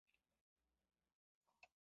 هغوی وخندل چې په شپه کې سنایپر څه نه شي کولی